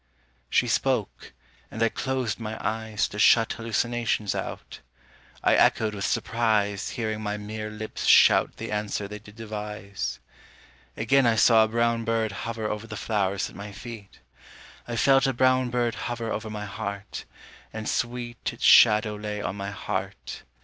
She spoke, and I closed my eyes To shut hallucinations out. I echoed with surprise Hearing my mere lips shout The answer they did devise. Again I saw a brown bird hover Over the flowers at my feet; I felt a brown bird hover Over my heart, and sweet Its shadow lay on my heart.